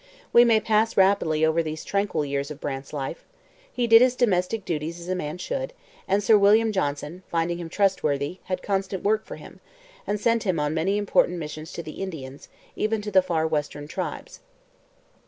We may pass rapidly over these tranquil years of Brant's life. He did his domestic duties as a man should; and Sir William Johnson, finding him trustworthy, had constant work for him, and sent him on many important missions to the Indians, even to the far western tribes.